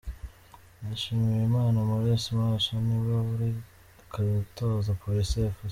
Nshimiyimana Maurice Maso ni we uri gutoza Police Fc